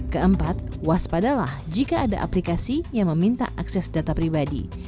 keempat waspadalah jika ada aplikasi yang meminta akses data pribadi